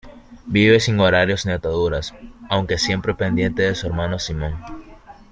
Vive sin horarios ni ataduras, aunque siempre pendiente de su hermano Simon.